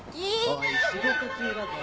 おい仕事中だぞ。